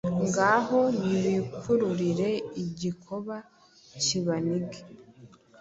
Ngaho nibikururire Igikoba cyibanige